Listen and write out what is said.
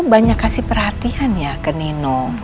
banyak kasih perhatian ya ke nino